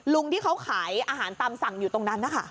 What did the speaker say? ลุงที่เขาขายอาหารตามสั่งอยู่ตรงนั้นนะคะ